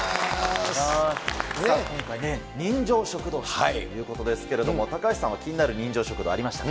今回ね、人情食堂ということですけれども、高橋さんは気になる人情食堂ありました？